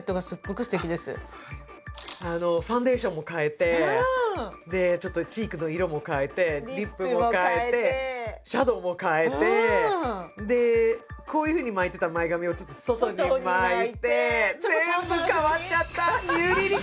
そしてまたファンデーションも変えてちょっとチークの色も変えてリップも変えてシャドーも変えてでこういうふうに巻いてた前髪をちょっと外に巻いて全部変わっちゃった！